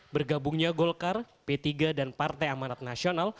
bergabungnya golkar p tiga dan partai amanat nasional